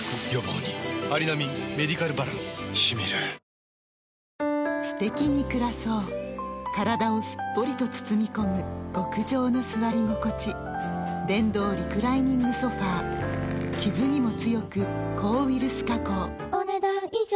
新しくなったすてきに暮らそう体をすっぽりと包み込む極上の座り心地電動リクライニングソファ傷にも強く抗ウイルス加工お、ねだん以上。